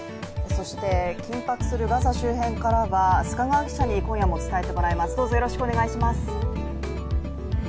そして緊迫するガザ周辺からは須賀川記者に今日も伝えてもらいます。